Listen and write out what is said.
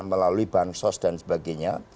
melalui bank sos dan sebagainya